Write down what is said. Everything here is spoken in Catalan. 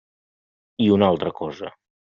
I una altra cosa.